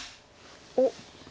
おっ。